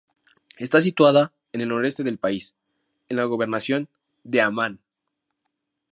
Está situada en el noroeste del país, en la Gobernación de Ammán.